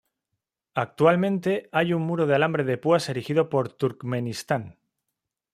Actualmente hay un muro de alambre de púas erigido por Turkmenistán.